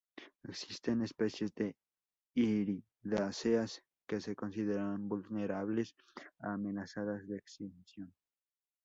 Existen especies de iridáceas que se consideran vulnerables o amenazadas de extinción.